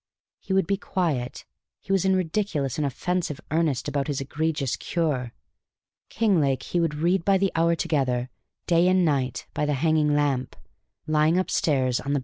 He would be quiet; he was in ridiculous and offensive earnest about his egregious Cure. Kinglake he would read by the hour together, day and night, by the hanging lamp, lying up stairs on the best bed.